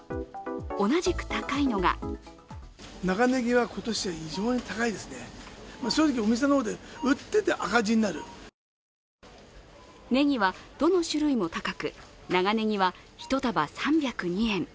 同じく高いのがねぎはどの種類も高く長ねぎは１束３０２円。